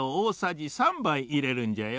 じ３ばいいれるんじゃよ。